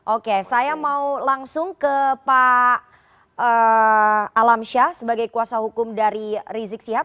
oke saya mau langsung ke pak alam syah sebagai kuasa hukum dari rizik siap